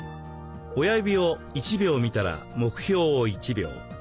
親指を１秒見たら目標を１秒。